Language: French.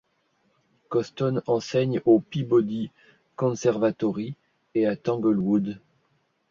Koston enseigne au Peabody Conservatory et à Tanglewood.